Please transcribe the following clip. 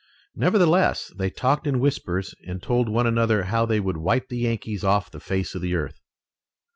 Nevertheless, they talked in whispers and told one another how they would wipe the Yankees off the face of the earth.